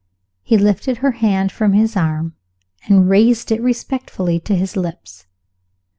He lifted her hand from his arm and raised it respectfully to his lips.